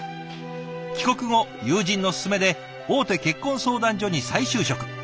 帰国後友人の勧めで大手結婚相談所に再就職。